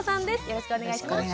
よろしくお願いします。